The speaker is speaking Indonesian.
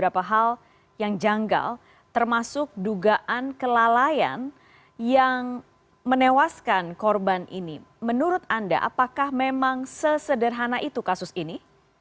pelalayan yang menewaskan korban ini menurut anda apakah memang sesederhana itu kasus ini